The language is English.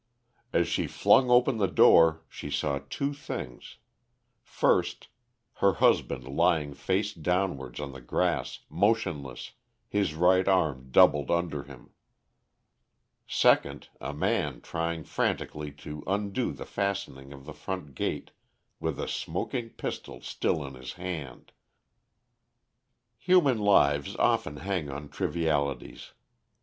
As she flung open the door she saw two things first, her husband lying face downwards on the grass motionless, his right arm doubled under him; second, a man trying frantically to undo the fastening of the front gate, with a smoking pistol still in his hand. Human lives often hang on trivialities.